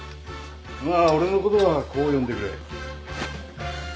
まあ俺のことはこう呼んでくれ。